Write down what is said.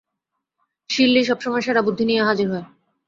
শিরলি সবসময় সেরা বুদ্ধি নিয়ে হাজির হয়।